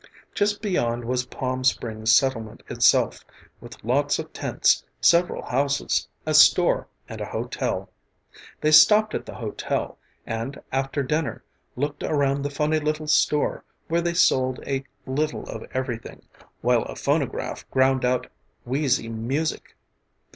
Just beyond was Palm Springs settlement itself, with lots of tents, several houses, a store and a hotel. They stopped at the hotel, and after dinner looked around the funny little store where they sold a little of everything while a phonograph ground out wheezy music.